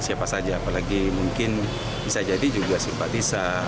siapa saja apalagi mungkin bisa jadi juga si pak tisa